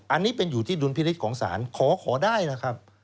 อันนี้เป็นอยู่ที่ดุลพินิษฐ์ของศาลขอได้นะครับ